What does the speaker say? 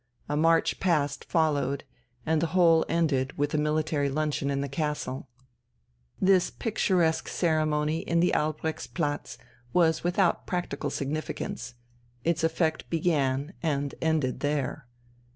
A march past followed, and the whole ended with a military luncheon in the castle. This picturesque ceremony in the Albrechtsplatz was without practical significance; its effect began and ended there.